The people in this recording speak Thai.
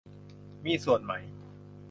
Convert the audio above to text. มีส่วนไหม ?